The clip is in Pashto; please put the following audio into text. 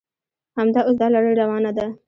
همدا اوس دا لړۍ روانه ده.